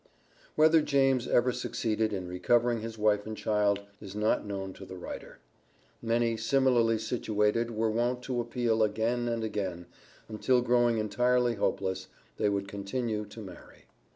Whether James ever succeeded in recovering his wife and child, is not known to the writer. Many similarly situated were wont to appeal again and again, until growing entirely hopeless, they would conclude to marry.